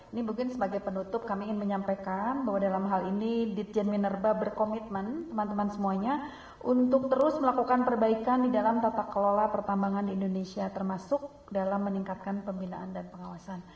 ini mungkin sebagai penutup kami ingin menyampaikan bahwa dalam hal ini ditjen minerba berkomitmen teman teman semuanya untuk terus melakukan perbaikan di dalam tata kelola pertambangan di indonesia termasuk dalam meningkatkan pembinaan dan pengawasan